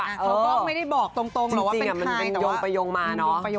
เขาก็ไม่ได้บอกตรงหรอกว่าเป็นทายแต่ว่าเป็นยงประยงมา